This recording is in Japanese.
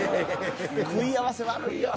食い合わせ悪いよ。